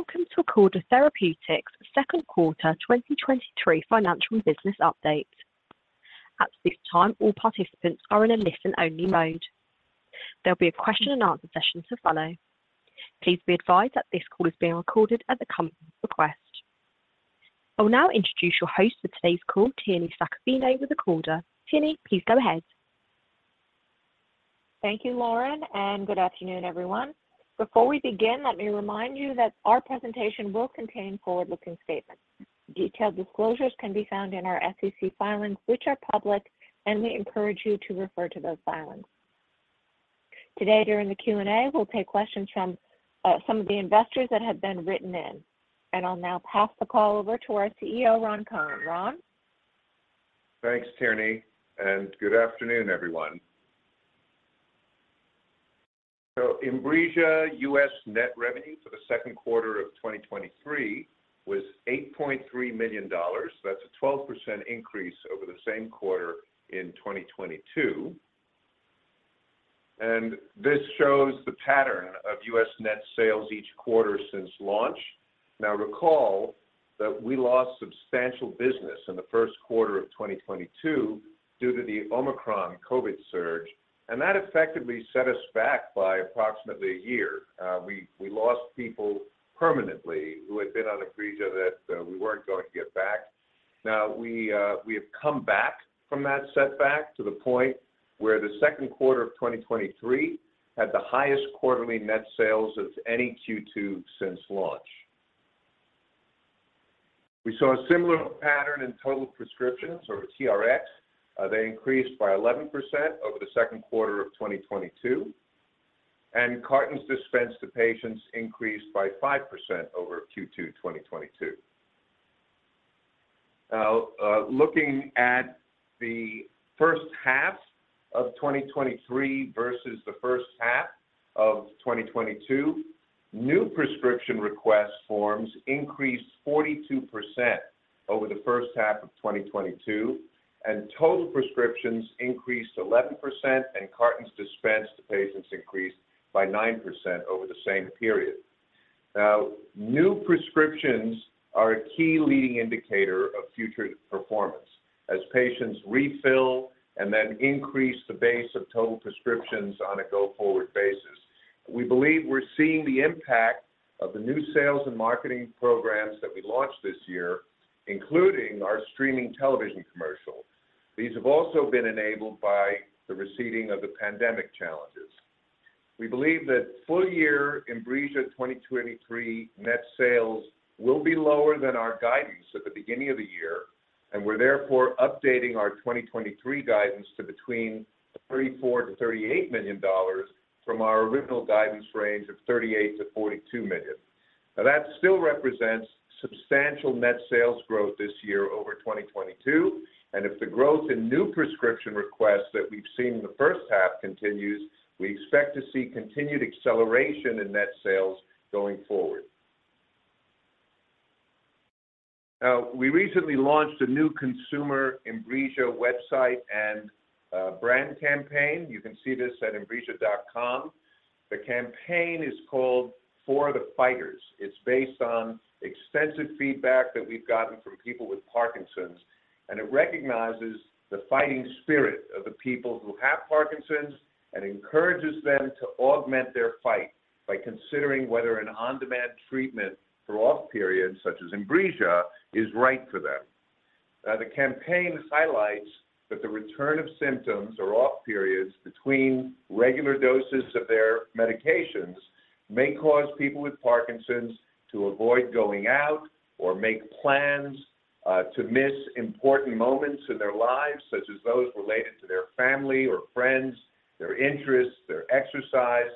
Welcome to Acorda Therapeutics' Second Quarter 2023 Financial and Business Update. At this time, all participants are in a listen-only mode. There'll be a question and answer session to follow. Please be advised that this call is being recorded at the company's request. I will now introduce your host for today's call, Tierney Saccavino, with Acorda. Tierney, please go ahead. Thank you, Lauren, and good afternoon, everyone. Before we begin, let me remind you that our presentation will contain forward-looking statements. Detailed disclosures can be found in our SEC filings, which are public, and we encourage you to refer to those filings. Today, during the Q&A, we'll take questions from some of the investors that have been written in. I'll now pass the call over to our CEO, Ron Cohen. Ron? Thanks, Tierney, good afternoon, everyone. INBRIJA US net revenue for the second quarter of 2023 was $8.3 million. That's a 12% increase over the same quarter in 2022. This shows the pattern of US net sales each quarter since launch. Recall that we lost substantial business in the first quarter of 2022 due to the Omicron COVID surge, and that effectively set us back by approximately a year. We, we lost people permanently who had been on INBRIJA that we weren't going to get back. Now we, we have come back from that setback to the point where the second quarter of 2023 had the highest quarterly net sales of any Q2 since launch. We saw a similar pattern in total prescriptions or TRX. They increased by 11% over the second quarter of 2022. Cartons dispensed to patients increased by 5% over Q2 2022. Looking at the first half of 2023 versus the first half of 2022, new prescription request forms increased 42% over the first half of 2022. Total prescriptions increased 11%. Cartons dispensed to patients increased by 9% over the same period. New prescriptions are a key leading indicator of future performance as patients refill and then increase the base of total prescriptions on a go-forward basis. We believe we're seeing the impact of the new sales and marketing programs that we launched this year, including our streaming television commercial. These have also been enabled by the receding of the pandemic challenges. We believe that full-year INBRIJA 2023 net sales will be lower than our guidance at the beginning of the year. We're therefore updating our 2023 guidance to between $34 million-$38 million from our original guidance range of $38 million-$42 million. That still represents substantial net sales growth this year over 2022, if the growth in new prescription requests that we've seen in the first half continues, we expect to see continued acceleration in net sales going forward. We recently launched a new consumer INBRIJA website and brand campaign. You can see this at INBRIJA.com. The campaign is called For the Fighters. It's based on extensive feedback that we've gotten from people with Parkinson's, and it recognizes the fighting spirit of the people who have Parkinson's and encourages them to augment their fight by considering whether an on-demand treatment for off periods, such as INBRIJA, is right for them. The campaign highlights that the return of symptoms or off periods between regular doses of their medications may cause people with Parkinson's to avoid going out or make plans to miss important moments in their lives, such as those related to their family or friends, their interests, their exercise.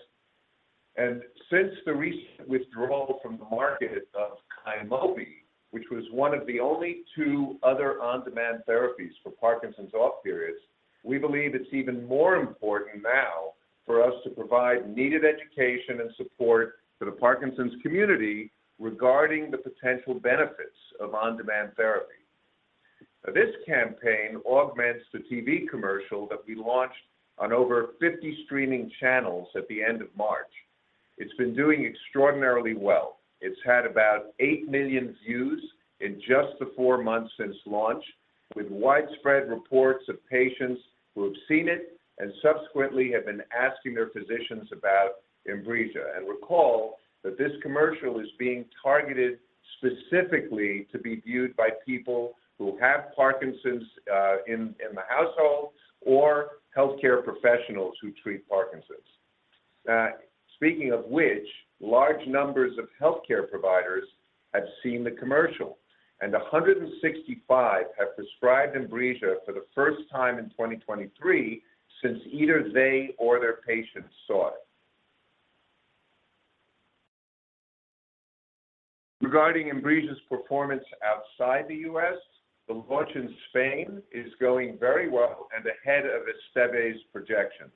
Since the recent withdrawal from the market of Kynmobi, which was one of the only two other on-demand therapies for Parkinson's off periods, we believe it's even more important now for us to provide needed education and support to the Parkinson's community regarding the potential benefits of on-demand therapy. This campaign augments the TV commercial that we launched on over 50 streaming channels at the end of March. It's been doing extraordinarily well. It's had about 8 million views in just the 4 months since launch, with widespread reports of patients who have seen it and subsequently have been asking their physicians about INBRIJA. Recall that this commercial is being targeted specifically to be viewed by people who have Parkinson's, in, in the household or healthcare professionals who treat Parkinson's. Speaking of which, large numbers of healthcare providers have seen the commercial, and 165 have prescribed INBRIJA for the first time in 2023 since either they or their patients saw it. Regarding INBRIJA's performance outside the US, the launch in Spain is going very well and ahead of Esteve's projections.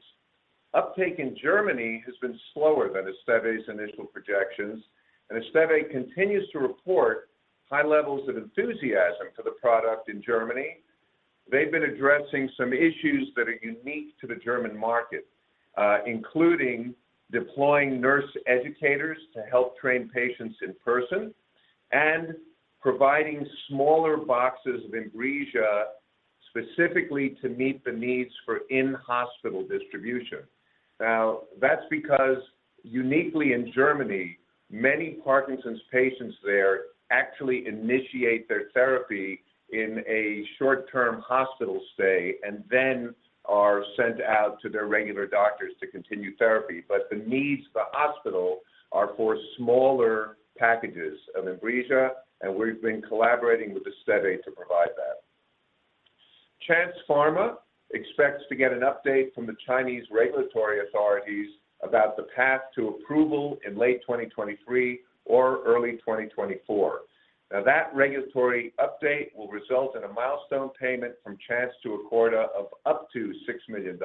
Uptake in Germany has been slower than Esteve's initial projections, and Esteve continues to report high levels of enthusiasm for the product in Germany. They've been addressing some issues that are unique to the German market, including deploying nurse educators to help train patients in person and providing smaller boxes of INBRIJA specifically to meet the needs for in-hospital distribution. That's because uniquely in Germany, many Parkinson's patients there actually initiate their therapy in a short-term hospital stay, and then are sent out to their regular doctors to continue therapy. The needs of the hospital are for smaller packages of INBRIJA, and we've been collaborating with Astellas to provide that. Chance Pharmaceuticals expects to get an update from the Chinese regulatory authorities about the path to approval in late 2023 or early 2024. Now, that regulatory update will result in a milestone payment from Chance to Acorda of up to $6 million.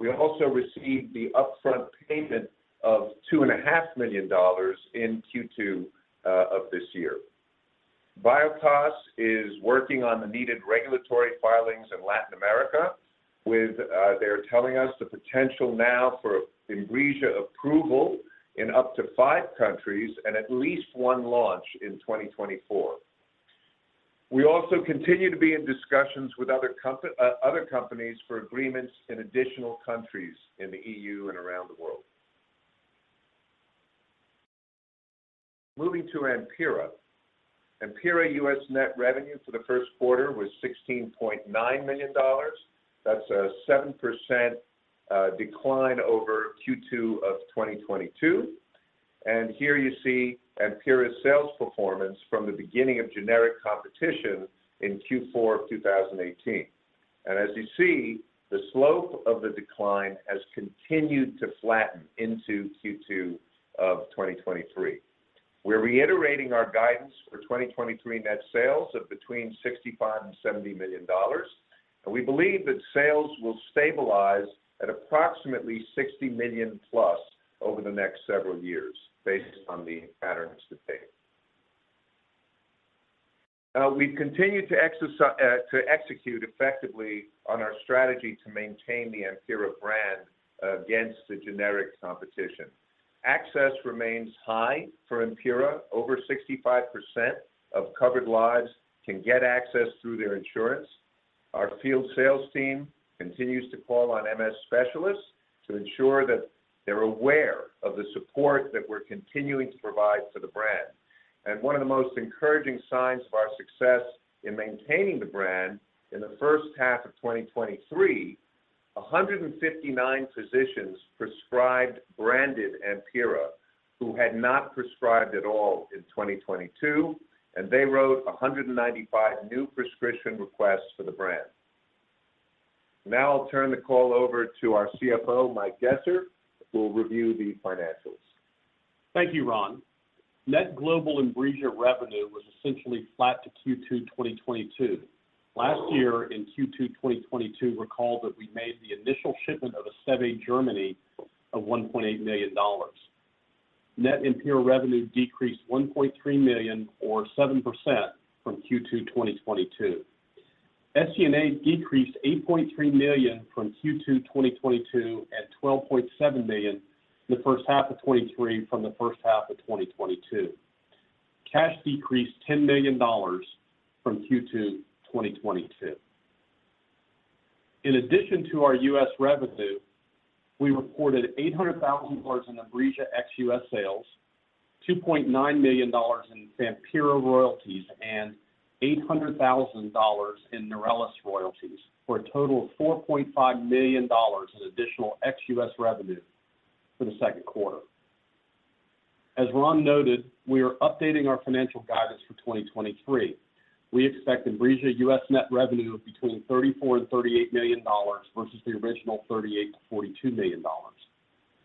We also received the upfront payment of $2.5 million in Q2 of this year. Biopas is working on the needed regulatory filings in Latin America, with, they're telling us the potential now for INBRIJA approval in up to 5 countries and at least one launch in 2024. We also continue to be in discussions with other companies for agreements in additional countries in the EU and around the world. Moving to AMPYRA. AMPYRA US net revenue for the first quarter was $16.9 million. That's a 7% decline over Q2 of 2022. Here you see AMPYRA's sales performance from the beginning of generic competition in Q4 of 2018. As you see, the slope of the decline has continued to flatten into Q2 of 2023. We're reiterating our guidance for 2023 net sales of between $65 million and $70 million, and we believe that sales will stabilize at approximately $60 million+ over the next several years, based on the patterns to date. We've continued to execute effectively on our strategy to maintain the AMPYRA brand against the generic competition. Access remains high for AMPYRA. Over 65% of covered lives can get access through their insurance. Our field sales team continues to call on MS specialists to ensure that they're aware of the support that we're continuing to provide for the brand. One of the most encouraging signs of our success in maintaining the brand in the H1 2023, 159 physicians prescribed branded AMPYRA, who had not prescribed at all in 2022, and they wrote 195 new prescription requests for the brand. I'll turn the call over to our CFO, Mike Gesser, who will review the financials. Thank you, Ron. Net global INBRIJA revenue was essentially flat to Q2 2022. Last year in Q2 2022, recall that we made the initial shipment of Astellas, Germany, of $1.8 million. Net AMPYRA revenue decreased $1.3 million or 7% from Q2 2022. SG&A decreased $8.3 million from Q2 2022 at $12.7 million in the first half of 2023 from the first half of 2022. Cash decreased $10 million from Q2 2022. In addition to our US revenue, we reported $800,000 in INBRIJA ex-US sales, $2.9 million in AMPYRA royalties, and $800,000 in NEURELIS royalties, for a total of $4.5 million in additional ex-US revenue for the second quarter. As Ron noted, we are updating our financial guidance for 2023. We expect INBRIJA US net revenue of between $34 million and $38 million versus the original $38 million-$42 million.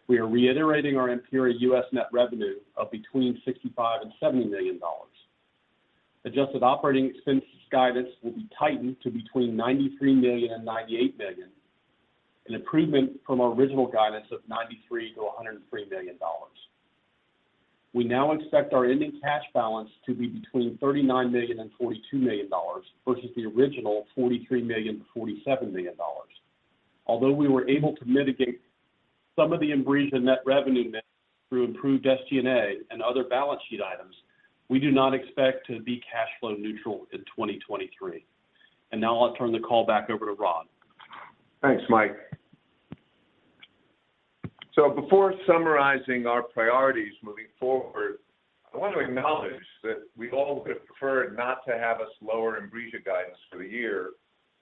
We are reiterating our AMPYRA US net revenue of between $65 million and $70 million. Adjusted operating expenses guidance will be tightened to between $93 million and $98 million, an improvement from our original guidance of $93 million-$103 million. We now expect our ending cash balance to be between $39 million and $42 million versus the original $43 million- $47 million. Although we were able to mitigate some of the INBRIJA net revenue miss through improved SG&A and other balance sheet items, we do not expect to be cash flow neutral in 2023. Now I'll turn the call back over to Ron. Thanks, Mike. Before summarizing our priorities moving forward, I want to acknowledge that we all would have preferred not to have a slower INBRIJA guidance for the year,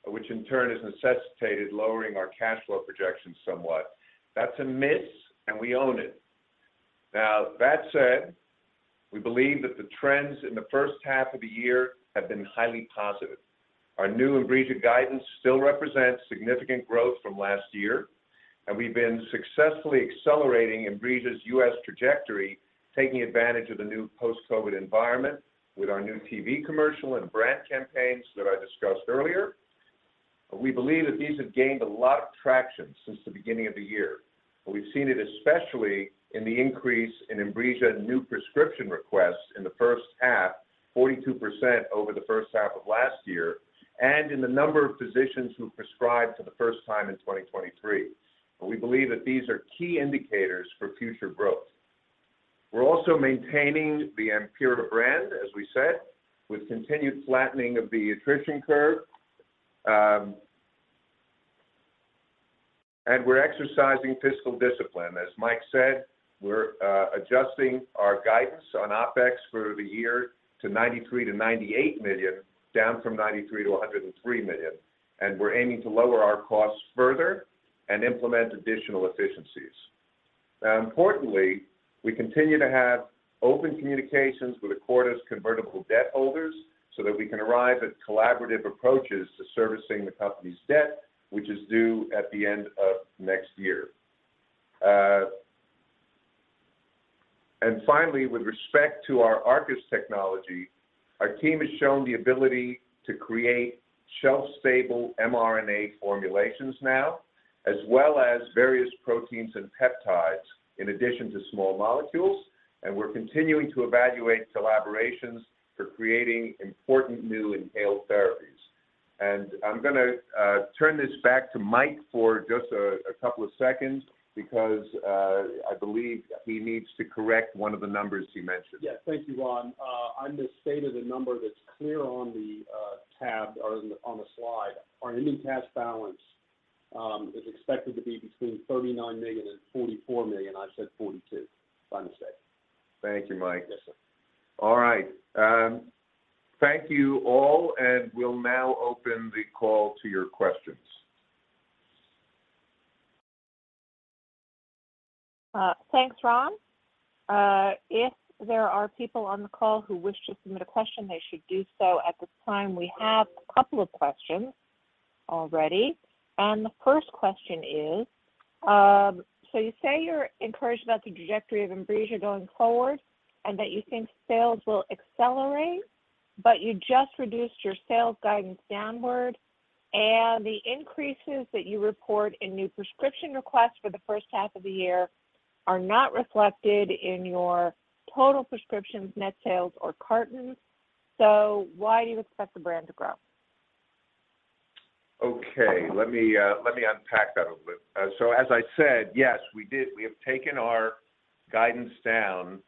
which in turn has necessitated lowering our cash flow projections somewhat. That's a miss, and we own it. That said, we believe that the trends in the first half of the year have been highly positive. Our new INBRIJA guidance still represents significant growth from last year, and we've been successfully accelerating INBRIJA's US trajectory, taking advantage of the new post-COVID environment with our new TV commercial and brand campaigns that I discussed earlier. We believe that these have gained a lot of traction since the beginning of the year, but we've seen it especially in the increase in INBRIJA new prescription requests in the first half, 42% over the first half of last year, and in the number of physicians who prescribed for the first time in 2023. We believe that these are key indicators for future growth. We're also maintaining the AMPYRA brand, as we said, with continued flattening of the attrition curve, and we're exercising fiscal discipline. As Mike said, we're adjusting our guidance on OpEx for the year to $93 million-$98 million, down from $93 million-$103 million, and we're aiming to lower our costs further and implement additional efficiencies. Now, importantly, we continue to have open communications with Acorda's convertible debt holders so that we can arrive at collaborative approaches to servicing the company's debt, which is due at the end of next year. Finally, with respect to our ARCUS technology, our team has shown the ability to create shelf-stable mRNA formulations now, as well as various proteins and peptides, in addition to small molecules, and we're continuing to evaluate collaborations for creating important new inhaled therapies. I'm gonna turn this back to Mike for just a couple of seconds because I believe he needs to correct one of the numbers he mentioned. Yes. Thank you, Ron. I misstated a number that's clear on the tab or on the, on the slide. Our ending cash balance is expected to be between $39 million and $44 million. I said $42 million by mistake. Thank you, Mike. Yes, sir. All right. Thank you all, and we'll now open the call to your questions. Thanks, Ron. If there are people on the call who wish to submit a question, they should do so. At this time, we have a couple of questions already. The first question is: You say you're encouraged about the trajectory of INBRIJA going forward and that you think sales will accelerate, but you just reduced your sales guidance downward. The increases that you report in new prescription requests for the first half of the year are not reflected in your total prescriptions, net sales, or cartons. Why do you expect the brand to grow? Okay, let me, let me unpack that a little bit. As I said, yes, we did. We have taken our guidance down,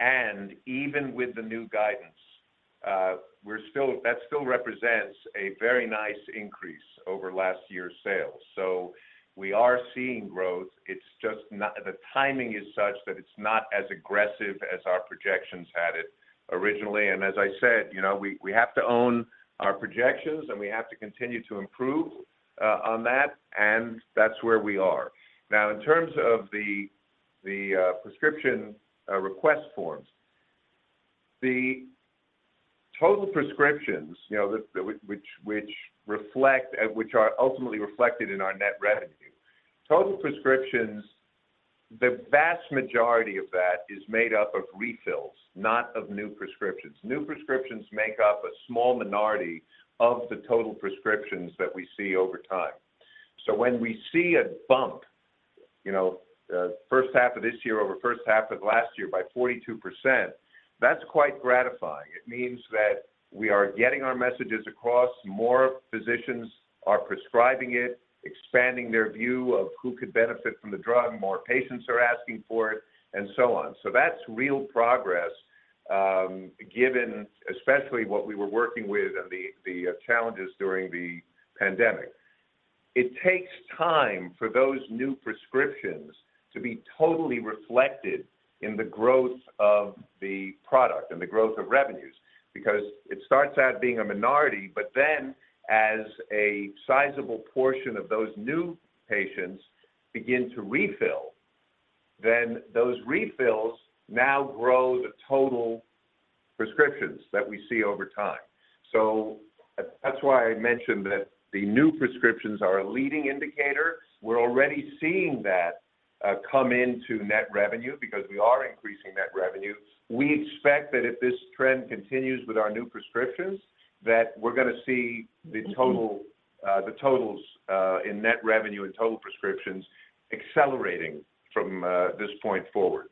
and even with the new guidance, we're still. That still represents a very nice increase over last year's sales. We are seeing growth, it's just not. The timing is such that it's not as aggressive as our projections had it originally. As I said, you know, we, we have to own our projections, and we have to continue to improve on that, and that's where we are. Now, in terms of the, the prescription, request forms, the total prescriptions, you know, the, the, which, which reflect, which are ultimately reflected in our net revenue, total prescriptions, the vast majority of that is made up of refills, not of new prescriptions. New prescriptions make up a small minority of the total prescriptions that we see over time. When we see a bump, you know, first half of this year over first half of last year by 42%, that's quite gratifying. It means that we are getting our messages across, more physicians are prescribing it, expanding their view of who could benefit from the drug, more patients are asking for it, and so on. That's real progress, given especially what we were working with and the, the, challenges during the pandemic. It takes time for those new prescriptions to be totally reflected in the growth of the product and the growth of revenues because it starts out being a minority, but then, as a sizable portion of those new patients begin to refill, then those refills now grow the total prescriptions that we see over time. That's why I mentioned that the new prescriptions are a leading indicator. We're already seeing that come into net revenue because we are increasing net revenue. We expect that if this trend continues with our new prescriptions, that we're gonna see the total- Mm-hmm. The totals, in net revenue and total prescriptions accelerating from, this point forward.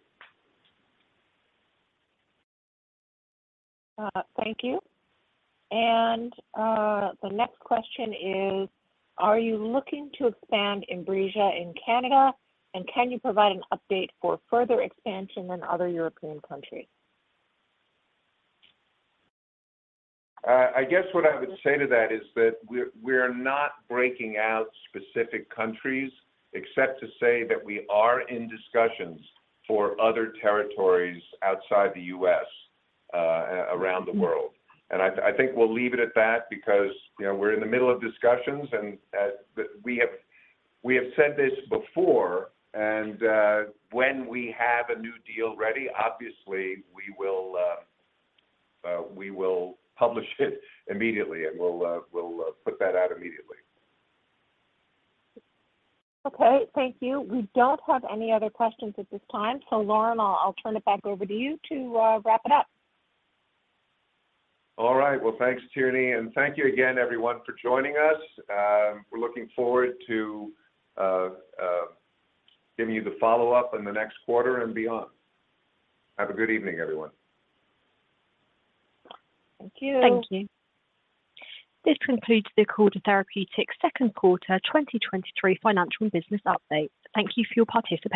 Thank you. The next question is: Are you looking to expand INBRIJA in Canada, and can you provide an update for further expansion in other European countries? I guess what I would say to that is that we're, we're not breaking out specific countries, except to say that we are in discussions for other territories outside the US, around the world. Mm-hmm. I, I think we'll leave it at that because, you know, we're in the middle of discussions, and we have, we have said this before, and when we have a new deal ready, obviously, we will publish it immediately, and we'll, we'll put that out immediately. Okay. Thank you. We don't have any other questions at this time, Lauren, I'll, I'll turn it back over to you to wrap it up. All right. Well, thanks, Tierney, and thank you again, everyone, for joining us. We're looking forward to giving you the follow-up in the next quarter and beyond. Have a good evening, everyone. Thank you. Thank you. This concludes the Acorda Therapeutics second quarter 2023 financial and business update. Thank you for your participation.